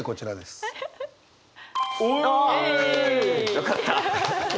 よかった。